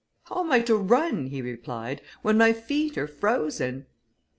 "How am I to run," he replied, "when my feet are frozen?"